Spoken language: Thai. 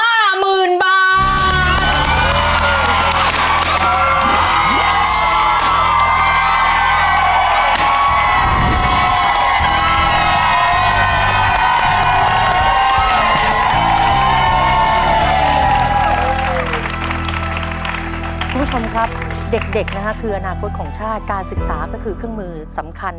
คุณผู้ชมครับเด็กนะฮะคืออนาคตของชาติการศึกษาก็คือเครื่องมือสำคัญ